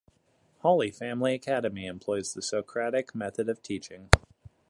Holy Family Academy employs the Socratic method of teaching.